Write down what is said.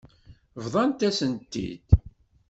Bḍant-asen-t-id.